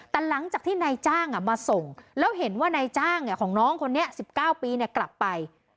แต่หลังจากที่นายจ้างมาส่งแล้วเห็นว่านายจ้างของน้องคนนี้๑๙ปีกลับไป